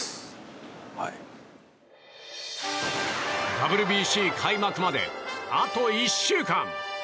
ＷＢＣ開幕まで、あと１週間。